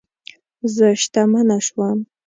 زه شتمنه شوم